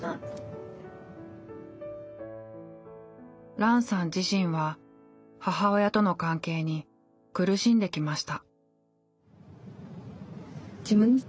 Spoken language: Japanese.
ランさん自身は母親との関係に苦しんできました。